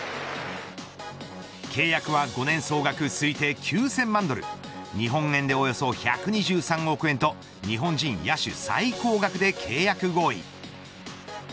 契約は５年総額推定９０００万ドル日本円でおよそ１２３億円と日本人野手最高額で契約合意。